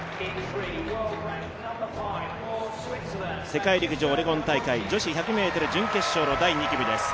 世界陸上オレゴン大会女子１００ｍ準決勝の第２組です。